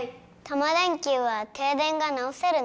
タマ電Ｑは停電が直せるの？